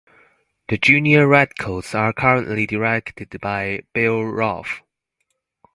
The Junior Redcoats are currently directed by Bill Rolfe.